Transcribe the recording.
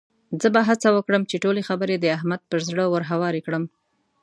زه به هڅه وکړم چې ټولې خبرې د احمد پر زړه ورهوارې کړم.